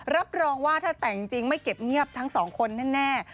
รับรองว่าถ้าแต่งจริงไม่เก็บเงียบทั้งสองคนแน่